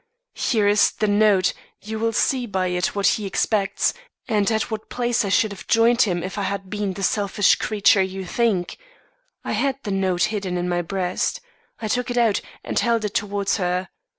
Here is the note. You will see by it what he expects, and at what place I should have joined him, if I had been the selfish creature you think,' I had the note hidden in my breast. I took it out, and held it towards her.